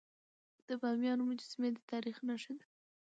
د بامیانو مجسمي د تاریخ نښه ده.